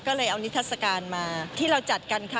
ก็เกไดียวให้เป็นวันที่จะอย่างมาก